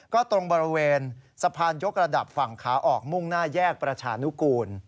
ก็ตรงบริเวณสะพานยกระดับฝั่งขาออกมุ่งหน้าแยกประชานุกูล